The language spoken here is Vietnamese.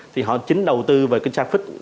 thì họ chính đầu tư về cái traffic